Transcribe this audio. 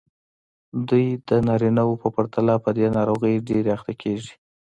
دوی د نارینه وو په پرتله په دې ناروغۍ ډېرې اخته کېږي.